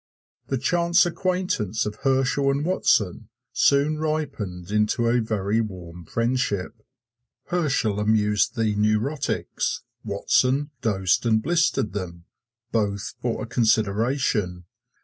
The chance acquaintance of Herschel and Watson soon ripened into a very warm friendship. Herschel amused the neurotics, Watson dosed and blistered them both for a consideration.